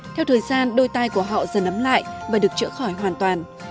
theo thời gian đôi tay của họ dần ấm lại và được chữa khỏi hoàn toàn